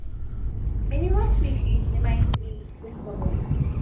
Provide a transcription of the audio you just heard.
Many more species remain to be discovered.